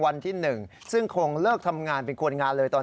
ฟังเสียงของเขาหน่อยฮะของเธอหน่อยครับ